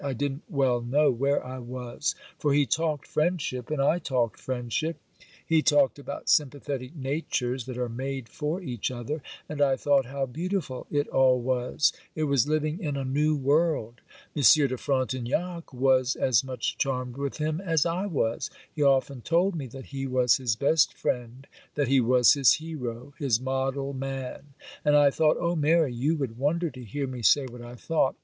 I didn't well know where I was, for he talked friendship, and I talked friendship; he talked about sympathetic natures that are made for each other, and I thought how beautiful it all was; it was living in a new world. Monsieur de Frontignac was as much charmed with him as I was; he often told me that he was his best friend; that he was his hero—his model man; and I thought, oh Mary, you would wonder to hear me say what I thought!